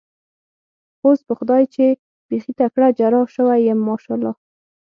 خو اوس په خدای چې بېخي تکړه جراح شوی یم، ماشاءالله.